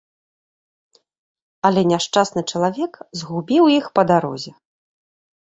Але няшчасны чалавек згубіў іх па дарозе.